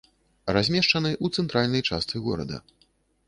Размешчаны ў цэнтральнай частцы горада.